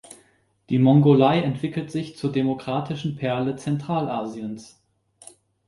Die Mongolei entwickelt sich zur demokratischen Perle Zentralasiens.